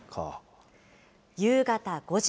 夕方５時。